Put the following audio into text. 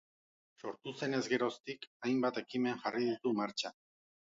Sortu zenez geroztik, hainbat ekimen jarri ditu martxan.